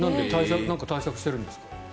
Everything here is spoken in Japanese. なんか対策してるんですか？